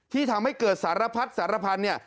ที่ทำให้เกิดสารพัดสารพันธุ์เนี่ย